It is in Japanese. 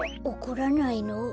おこらないの？